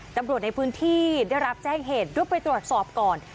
ตำรวจในพื้นที่ได้รับแจ้งเหตุรุบไปตรวจสอบก่อน